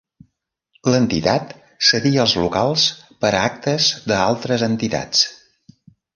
L'entitat cedia els locals per a actes d'altres entitats.